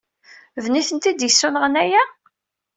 D nitenti ay d-yessunɣen aya?